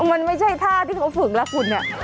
มันไม่ใช่ท่าที่เขาฝึกแล้วคุณเนี่ย